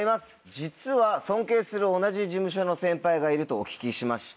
実は尊敬する同じ事務所の先輩がいるとお聞きしました。